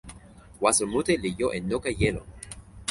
waso mute li jo e noka jelo.